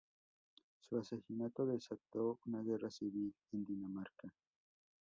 Su asesinato desató una guerra civil en Dinamarca.